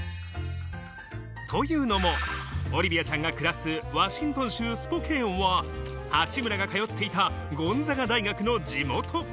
というのもオリビアちゃんが暮らすワシントン州スポケーンは八村が通っていたゴンザガ大学の地元。